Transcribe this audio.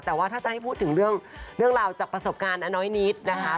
แต่ว่าถ้าจะให้พูดถึงเรื่องราวจากประสบการณ์น้อยนิดนะคะ